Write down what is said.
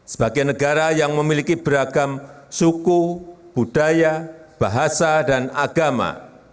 sebagai negara yang memiliki beragam suku budaya bahasa dan agama